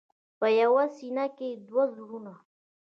په یوه سینه کې دوه زړونه.